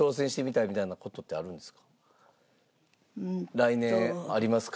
来年ありますか？